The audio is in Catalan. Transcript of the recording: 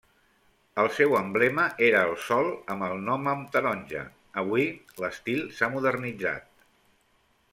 El seu emblema era el sol amb el nom amb taronja; avui l'estil s'ha modernitzat.